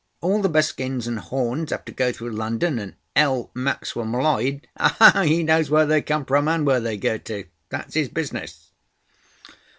All the best skins and horns have to go through London, and L. Maxwell M'Leod, he knows where they come from, and where they go to. That's his business."